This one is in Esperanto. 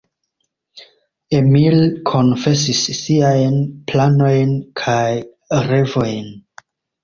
Emil konfesis siajn planojn kaj revojn.